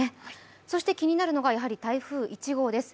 そして、気になるのが、やはり台風１号です。